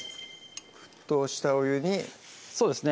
沸騰したお湯にそうですね